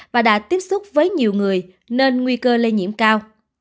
và đã tiếp xúc với nhiều người nên nguy cơ lây nhiễm cao